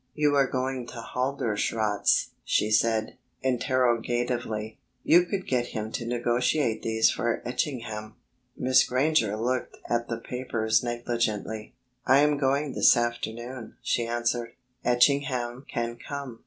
"You are going to Halderschrodt's?" she said, interrogatively. "You could get him to negotiate these for Etchingham?" Miss Granger looked at the papers negligently. "I am going this afternoon," she answered. "Etchingham can come...."